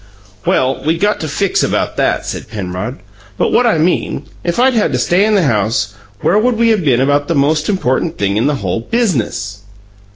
"Well, we got to fix about that," said Penrod. "But what I mean if I'd had to stay in the house, where would we been about the most important thing in the whole biz'nuss?"